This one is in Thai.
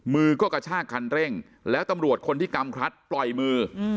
มือก็กระชากคันเร่งแล้วตำรวจคนที่กำคลัดปล่อยมือ